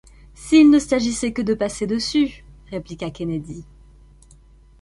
S’il ne s’agissait que de passer dessus ! répliqua Kennedy ;